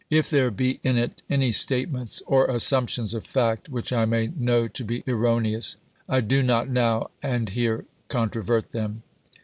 If there be in it any statements, or assumptions of fact, which I may know to be erroneous, I do not, now and here, controvert them.